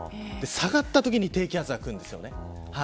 下がったときに低気圧がくるんですね。